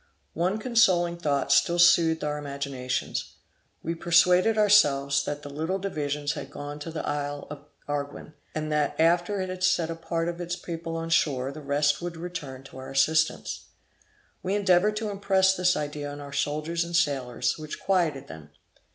One consoling thought still soothed our imaginations. We persuaded ourselves that the little divisions had gone to the isle of Arguin, and that after it had set a part of its people on shore, the rest would return to our assistance; we endeavored to impress this idea on our soldiers and sailors, which quieted them.